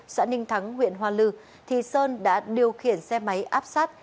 xã ninh thắng huyện hoa lư thì sơn đã điều khiển xe máy áp sát